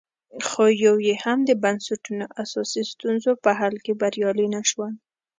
خو یو یې هم د بنسټونو اساسي ستونزو په حل کې بریالي نه شول